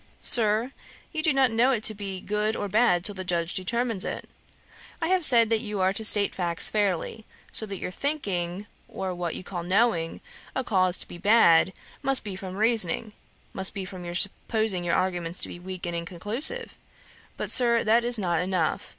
'Sir, you do not know it to be good or bad till the Judge determines it. I have said that you are to state facts fairly; so that your thinking, or what you call knowing, a cause to be bad, must be from reasoning, must be from your supposing your arguments to be weak and inconclusive. But, Sir, that is not enough.